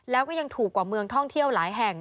แล้วก็ยังถูกกว่าเมืองท่องเที่ยวหลายแห่ง